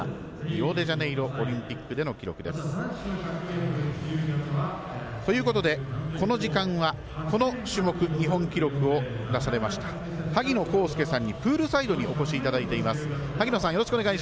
リオデジャネイロオリンピックでの記録です。ということで、この時間はこの種目日本記録を出されました萩野公介さんにプールサイドにお越しいただいています。